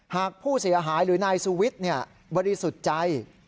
หากผู้เสียหายหรือนายสุวิทย์บริสุทธิ์ใจ